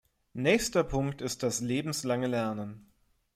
Nächster Punkt ist das lebenslange Lernen.